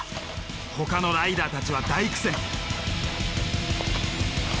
ほかのライダーたちは大苦戦。